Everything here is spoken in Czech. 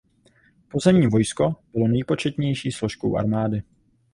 Pozemní vojsko bylo nejpočetnější složkou armády.